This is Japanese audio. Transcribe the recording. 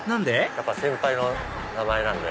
やっぱ先輩の名前なんで。